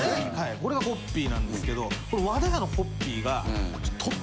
これがホッピーなんですけど。